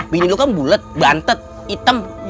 bini lo kan bulet bantet hitam